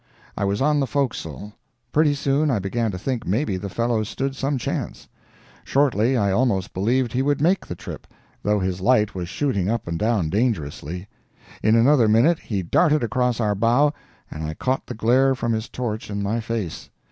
I was on the forecastle. Pretty soon I began to think maybe the fellow stood some chance; shortly I almost believed he would make the trip, though his light was shooting up and down dangerously; in another minute he darted across our bow and I caught the glare from his torch in my face.